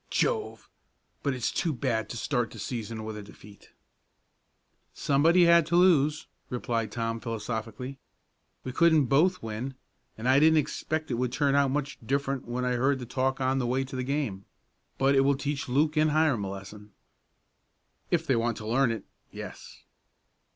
Jove! But it's too bad to start the season with a defeat." "Somebody had to lose," replied Tom philosophically. "We couldn't both win, and I didn't expect it would turn out much different when I heard the talk on the way to the game. But it will teach Luke and Hiram a lesson." "If they want to learn it yes."